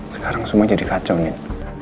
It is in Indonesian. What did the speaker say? sekarang semuanya jadi kacau nin